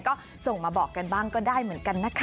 ก็ส่งมาบอกกันบ้างก็ได้เหมือนกันนะคะ